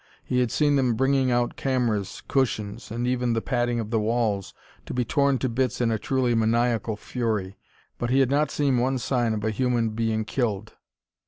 He had seen them bringing out cameras, cushions, and even the padding of the walls, to be torn to bits in a truly maniacal fury. But he had not seen one sign of a human being killed.